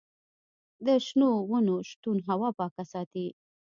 د شنو ونو شتون هوا پاکه ساتي.